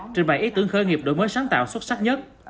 trình bày ý tưởng khởi nghiệp đổi mới sáng tạo xuất sắc nhất